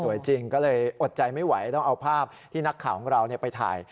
จริงก็เลยอดใจไม่ไหวต้องเอาภาพที่นักข่าวของเราไปถ่าย